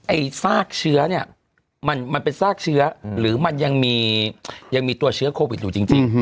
ซากเชื้อเนี่ยมันเป็นซากเชื้อหรือมันยังมีตัวเชื้อโควิดอยู่จริง